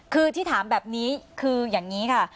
คือที่ถามแบบนี้คืออย่างนี้ค่ะ